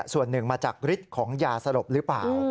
ส่วนหนึ่งมาจากฤทธิ์ของยาสลบหรือเปล่า